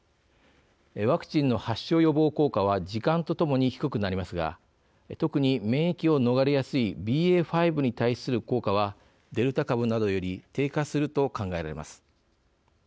ワクチンの発症予防効果は時間とともに低くなりますが特に免疫を逃れやすいＢＡ．５に対する効果はデルタ株などより低下すると考えられます。